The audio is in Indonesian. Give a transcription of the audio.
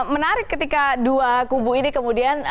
menarik ketika dua kubu ini kemudian